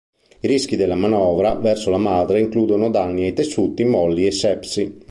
I rischi della manovra verso la madre includono danni ai tessuti molli e sepsi.